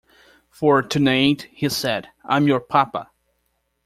"For tonight," he said, "I am your papa!"